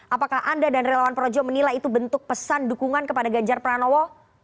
apakah anda dan relawan projo menilai itu bentuk pesan dukungan kepada ganjar pranowo